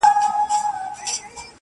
په ریاکاره ناانسانه ژبه -